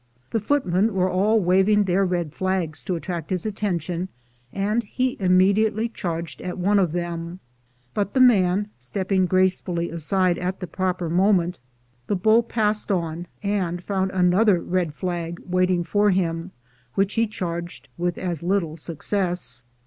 The footmen were all waving their red flags to attract his attention, and he immediately charged at one of them; but, the man stepping grace fully aside at the proper moment, the bull passed on and found another red flag waiting for him, which he charged with as little success.